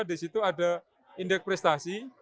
di situ ada indeks prestasi